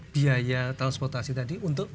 biaya transportasi tadi untuk